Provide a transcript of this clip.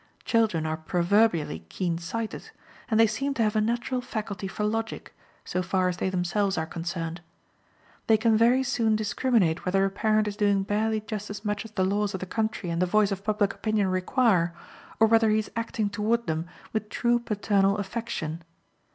Children are proverbially keen sighted, and they seem to have a natural faculty for logic, so far as they themselves are concerned. They can very soon discriminate whether a parent is doing barely just as much as the laws of the country and the voice of public opinion require, or whether he is acting toward them with true paternal affection.